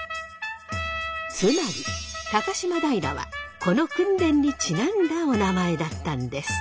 つまり高島平はこの訓練にちなんだおなまえだったんです。